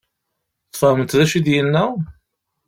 Tfehmeḍ d acu i d-yenna?